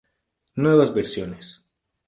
Nuevas versiones.